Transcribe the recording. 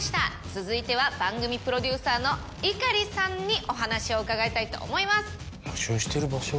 続いては番組プロデューサーの碇さんにお話を伺いたいと思います。